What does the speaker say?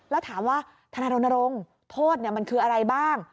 แล้วถามว่าธนายรณรงค์โทษมันคืออะไรบ้าง